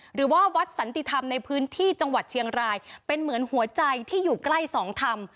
หรือว่าวัดสันติธรรมในพื้นที่จังหวัดเชียงรายเป็นเหมือนหัวใจที่อยู่ใกล้สองธรรม